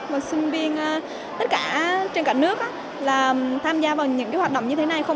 và sinh viên tất cả trên cả nước là tham gia vào những hoạt động như thế này